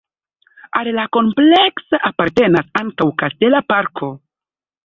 Al la komplekso apartenas ankaŭ kastela parko.